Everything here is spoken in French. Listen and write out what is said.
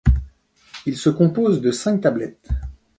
Il se compose de cinq tablettes.